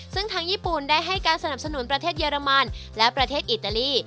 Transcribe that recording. ซึ่งทางญี่ปุ่นได้ให้การสนับสนุนประเทศเยอรมันและประเทศอิตาลี